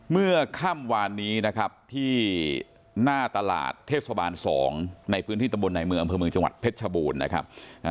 เมื่อค่ำวานนี้นะครับที่หน้าตลาดเทศบาล๒ในพื้นที่ตำบลในเมืองอำเภอเมืองจังหวัดเพชรชบูรณ์นะครับ